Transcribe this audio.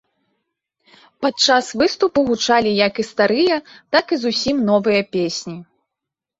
Падчас выступу гучалі як і старыя, так і зусім новыя песні.